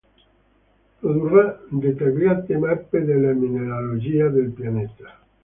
Produrrà dettagliate mappe della mineralogia del pianeta.